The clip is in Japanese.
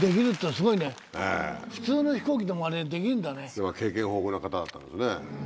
要は経験豊富な方だったんですね。